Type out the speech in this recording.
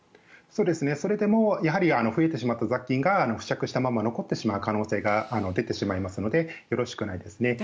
それでもやはり増えてしまった雑菌が付着したまま残ってしまう可能性が出てしまいますのでよろしくないですね。